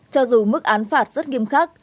cho dù mức án phạt rất nghiêm khắc